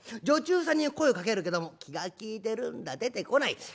女中さんに声かけるけども気が利いてるんだ出てこない。